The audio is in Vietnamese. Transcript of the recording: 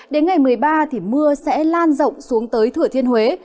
đến ngày một mươi ba mưa sẽ lan rộng xuống tới thửa thiên huế